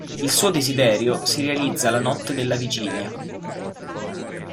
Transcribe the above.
Il suo desiderio si realizza la notte della Vigilia.